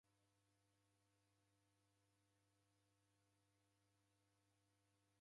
Vilongozi vose veka na mkutano